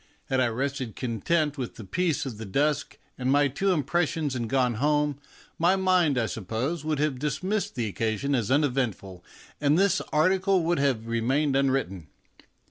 Had I rested content with the peace of the dusk and my two impressions and gone home, my mind, I suppose, would have dis missed the occasion as uneventful, and this article would have remained unwritten.